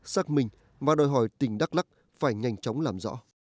xác minh và đòi hỏi tỉnh đắk lắc phải nhanh chóng làm rõ